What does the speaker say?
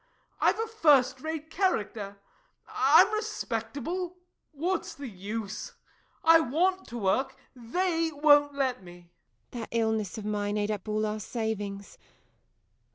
I've a first rate character I'm respectable what's the use? I want to work they won't let me! MARY. That illness of mine ate up all our savings.